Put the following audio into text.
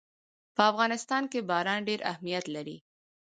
په افغانستان کې باران ډېر اهمیت لري.